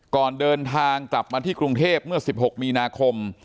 ก่อนเดินทางกลับมาที่กรุงเทพเมื่อ๑๖มีนาคม